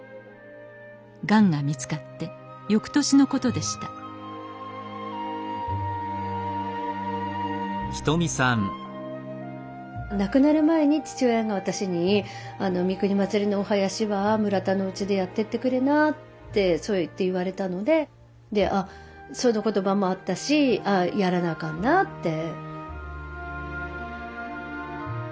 がんが見つかってよくとしのことでした亡くなる前に父親が私に「三国祭のお囃子は村田のうちでやってってくれな」ってそうやって言われたのででその言葉もあったし「ああやらなあかんな」って。